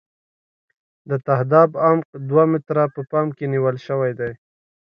د تهداب عمق دوه متره په پام کې نیول شوی دی